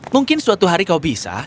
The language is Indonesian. mungkin suatu hari kau bisa